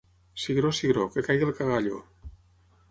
Cigró, cigró, que caiga el cagalló.